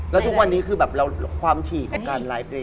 แล้วทุกวันนี้คือแบบเราความถี่ของการไลฟ์เพลง